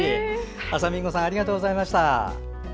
あさみんごさんありがとうございました。